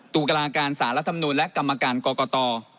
ตุรกราคารสาธารณภัยกรรมพิธีและกรรมการกต